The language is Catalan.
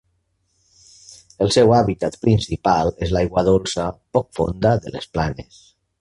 El seu hàbitat principal és l'aigua dolça poc fonda de les planes.